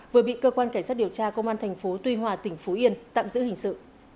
vừa bị cơ quan cảnh sát điều tra công an thành phố tuy hòa tỉnh phú yên tạm giữ hình sự